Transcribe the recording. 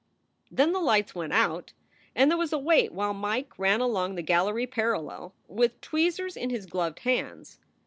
Then the lights went out and there was a wait while Mike ran along the gallery parallel, with tweezers in his gloved hands.